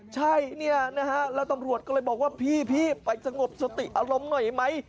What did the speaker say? ใช่เนี่ยนะฮะแล้วตำรวจก็เลยบอกว่าพี่ไปสงบสติอารมณ์หน่อยไหม